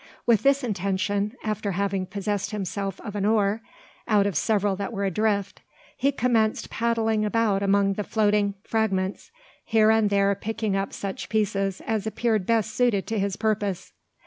With this intention after having possessed himself of an oar, out of several that were adrift he commenced paddling about among the floating fragments, here and there picking up such pieces as appeared best suited to his purpose.